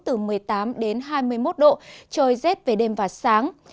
từ một mươi tám đến hai mươi một độ trời rét về đêm và sáng